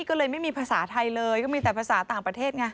ก็เลยไม่มีภาษาไทยเลยก็มีแต่ภาษาต่างประเทศไง